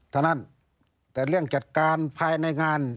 เท่านั้นแต่เรื่องจัดการภายในงาน